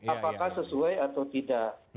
apakah sesuai atau tidak